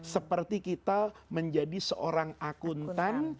seperti kita menjadi seorang akuntan